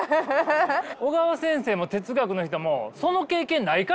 小川先生も哲学の人もその経験ないからな。